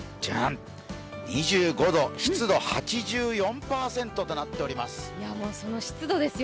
２５度、湿度８４％となっております。